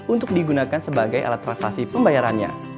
untuk digunakan sebagai alat transaksi pembayarannya